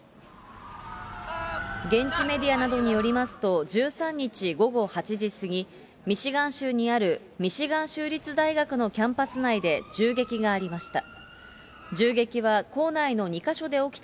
現地メディアなどによりますと、１３日午後８時過ぎ、ミシガン州にあるミシガン州立大学のキャンパス内で、銃撃がありました。